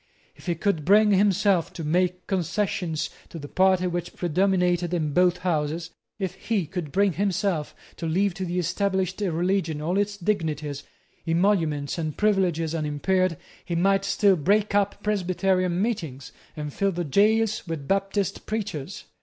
If he could bring himself to make concessions to the party which predominated in both Houses, if he could bring himself to leave to the established religion all its dignities, emoluments, and privileges unimpaired, he might still break up Presbyterian meetings, and fill the gaols with Baptist preachers.